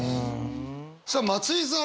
さあ松居さん